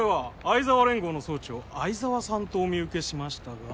愛沢連合の総長愛沢さんとお見受けしましたが。